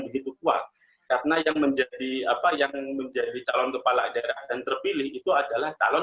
begitu kuat karena yang menjadi apa yang menjadi calon kepala daerah dan terpilih itu adalah calon